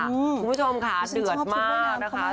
คุณผู้ชมค่ะเดือดมากนะคะ